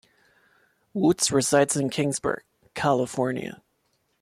Woods resides in Kingsburg, California.